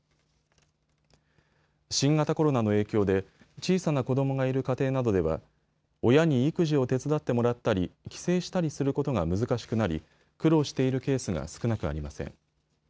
新型コロナの影響で小さな子どもがいる家庭などでは親に育児を手伝ってもらったり帰省したりすることが難しくなり苦労しているケースが少なくありません。